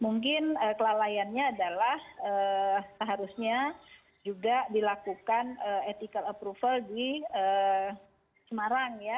mungkin kelalaiannya adalah seharusnya juga dilakukan ethical approval di semarang ya